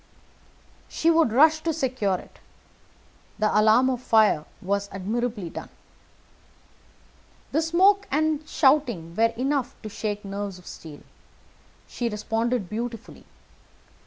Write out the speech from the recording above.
She would rush to secure it. The alarm of fire was admirably done. The smoke and shouting were enough to shake nerves of steel. She responded beautifully.